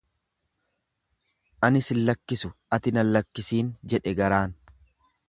Ani sillakkisu ati na lakkisiin jedhe garaan.